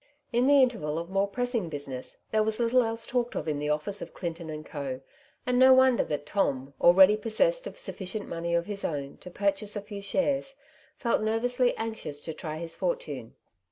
*' In the interval of more pressing busi ness there was little else talked of in the office of Clinton and Co., and no wonder that Tom, already possessed of sufficient money of his own to purchase a few shares, felt nervously anxious to try his fortune.